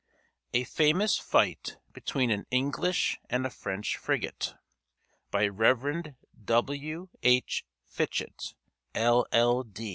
A FAMOUS FIGHT BETWEEN AN ENGLISH AND A FRENCH FRIGATE By Rev. W. H. Fitchett, LL.